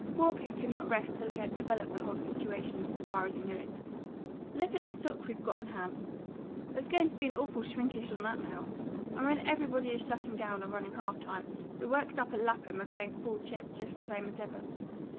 Walker could not rest till he had developed the whole situation, so far as he knew it. "Look at the stock we've got on hand. There's going to be an awful shrinkage on that, now! And when everybody is shutting down, or running half time, the works up at Lapham are going full chip, just the same as ever.